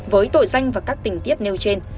với tội danh và các tình tiết nêu trên